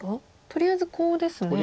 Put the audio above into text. とりあえずコウですね。